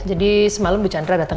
jadi semalam bu chandra dateng